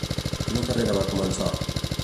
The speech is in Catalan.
Quina carrera va començar?